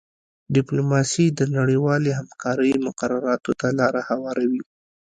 ډیپلوماسي د نړیوالې همکارۍ مقرراتو ته لاره هواروي